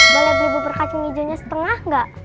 boleh beli bubur kacung ijo nya setengah nggak